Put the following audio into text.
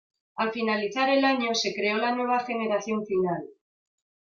Al finalizar el año, se creó La Nueva Generación "Final".